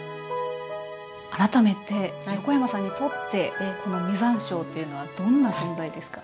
改めて横山さんにとってこの実山椒というのはどんな存在ですか？